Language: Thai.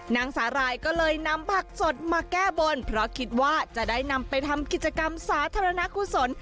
นางสาหร่ายก็เลยนำผักสดมาแก้บนเพราะคิดว่าจะได้นำไปทำกิจกรรมสาธารณกุศล